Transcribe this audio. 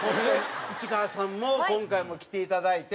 市川さんも今回も来ていただいて。